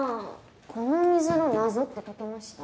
この水の謎って解けました？